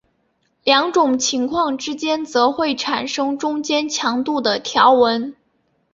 两种情况之间则会产生中间强度的条纹。